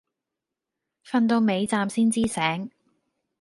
瞓到尾站先知醒